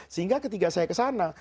sehingga ketika saya kesana